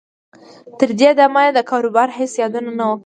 تر دې دمه یې د کاروبار هېڅ یادونه نه وه کړې